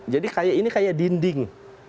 jadi ini kayak dinding